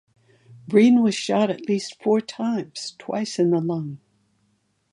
Breen was shot at least four times, twice in the lung.